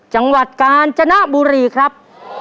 จังหวัดกาญจนบุรีครับ